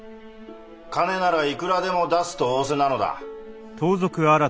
金ならいくらでも出すと仰せなのだ。